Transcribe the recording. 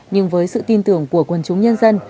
nhưng với sự tin tưởng của quân chúng nhân dân